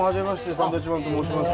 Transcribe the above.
サンドウィッチマンと申します。